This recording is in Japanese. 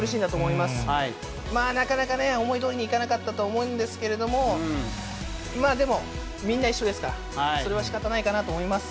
まあなかなかね、思いどおりにいかなかったと思うんですけれども、でも、みんな一緒ですから、それはしかたないかなと思います。